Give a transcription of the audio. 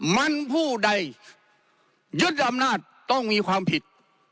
มันผู้ใดยึดอำนาจต้องมีความผิด